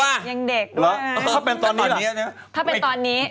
ถ้าเป็นตอนนี้ล่ะถ้าเป็นตอนนี้ถ้าเป็นตอนนี้